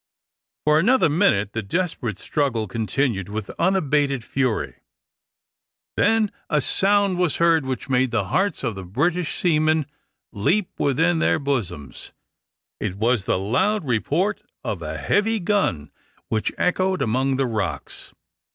For another minute the desperate struggle continued with unabated fury. Then a sound was heard which made the hearts of the British seamen leap within their bosoms it was the loud report of a heavy gun which echoed among the rocks.